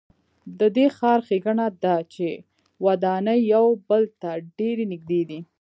د دې ښار ښېګڼه ده چې ودانۍ یو بل ته ډېرې نږدې دي.